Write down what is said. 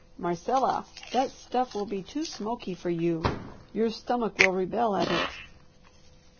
"Marcella, that stuff will be too smoky for you! Your stomach will rebel at it."